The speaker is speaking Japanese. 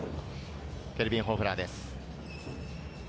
ケルビン・ホフラーです。